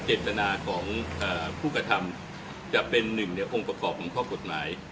เจตนาของผู้กระทำจะเป็นหนึ่งในองค์ประกอบของข้อกฎหมาย